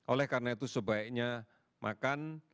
oleh karena itu sebaiknya makan